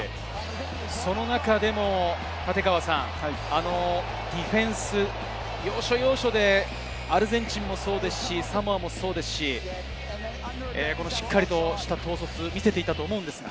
その中でもディフェンス、要所要所でアルゼンチンもそうですし、サモアもそうですし、しっかりとした統率を見せていたと思うのですが。